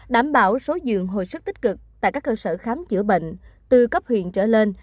đảm bảo số giường hồi sức tích cực tại các cơ sở khám chữa bệnh từ cấp huyện trở lên